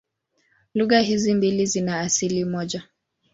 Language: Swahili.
Lugha hizi mbili zina asili moja.